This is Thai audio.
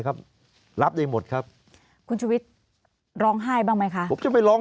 ครับรับได้หมดครับคุณชุวิตร้องไห้บ้างไหมคะผมจะไปร้อง